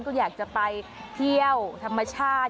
ก็อยากจะไปเที่ยวธรรมชาติ